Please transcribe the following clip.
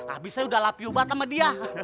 abis saya udah lapi obat sama dia